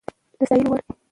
د ستايلو وړ ده